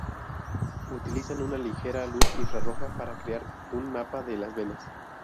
Utilizan una ligera luz infrarroja para crear un mapa de las venas.